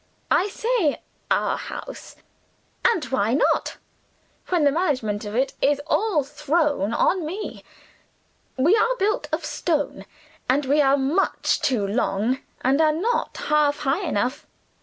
I say our house, and why not when the management of it is all thrown on me. We are built of stone; and we are much too long, and are not half high enough.